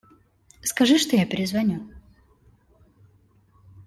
Скажи, что я перезвоню.